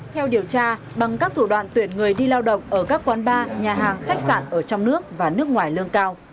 theo điều tra bằng các thủ đoạn tuyển người đi lao động ở các quán bar nhà hàng khách sạn ở trong nước và nước ngoài lương cao